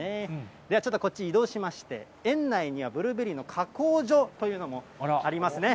ではちょっと、こっちに移動しまして、園内にはブルーベリーの加工所というのもありますね。